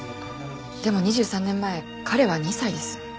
でも２３年前彼は２歳です。